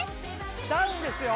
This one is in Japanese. ダウンですよ。